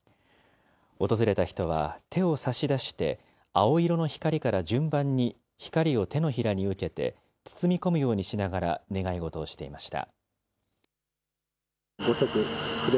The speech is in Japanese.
訪れた人は、手を差し出して、青色の光から順番に光を手のひらに受けて、包み込むようにしながら願い事をしていました。